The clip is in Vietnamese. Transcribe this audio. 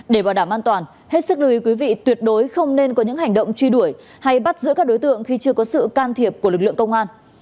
để bảo đảm an toàn hết sức lưu ý quý vị tuyệt đối không nên có những hành động truy đuổi hay bắt giữ các đối tượng khi chưa có sự can thiệp của lực lượng công an